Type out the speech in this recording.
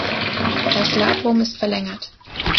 Das Labrum ist verlängert.